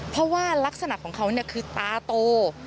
เพราะว่ารักษณะของเขาคือตาโต